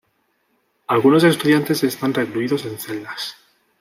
Algunos estudiantes están recluidos en celdas.